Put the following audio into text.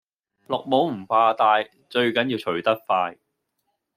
綠帽唔怕戴最緊要除得快